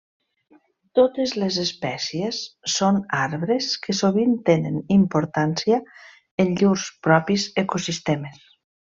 Totes les espècies són arbres que sovint tenen importància en llurs propis ecosistemes.